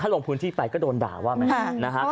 ลงพื้นที่ไปก็โดนด่าว่าไหม